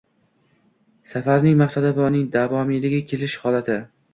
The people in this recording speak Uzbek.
safarning maqsadi va uning davomiyligi, kelish holati ;